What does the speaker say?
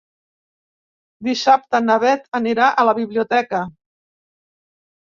Dissabte na Bet anirà a la biblioteca.